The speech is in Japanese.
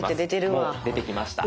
もう出てきました。